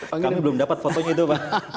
kamu belum dapat fotonya itu pak